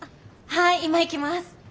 はい今行きます。